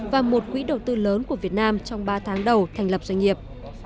và một quỹ đầu tư lớn của việt nam trong ba tháng đầu thành lập doanh nghiệp